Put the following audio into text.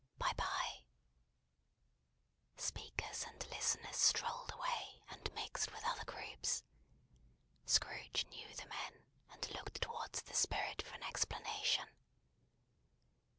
Bye, bye!" Speakers and listeners strolled away, and mixed with other groups. Scrooge knew the men, and looked towards the Spirit for an explanation.